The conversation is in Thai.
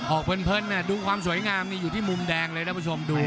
เพลินดูความสวยงามนี่อยู่ที่มุมแดงเลยท่านผู้ชมดู